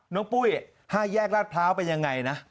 น้องปุ้ย๕แยกราดพร้าวเป็นอย่างไรนะ